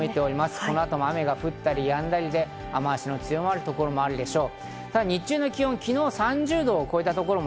この後も雨が降ったり、やんだりで雨脚の強まる所もあるでしょう。